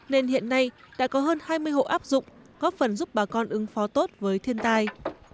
nên hiện nay đã có hơn hai mươi hộ áp dụng góp phần giúp bà con ứng phó tốt với thiên tai